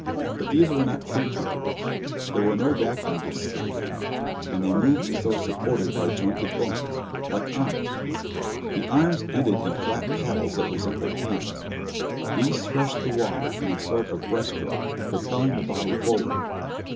But these were not true tentacles. There were no vacuum discs on them, and they moved as though supported by jointed bones like arms. The arms ended in flat paddles that resembled hands. These threshed the water in a sort of breast stroke, propelling the body forward.